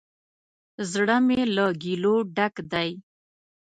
زړه می له ګیلو ډک دی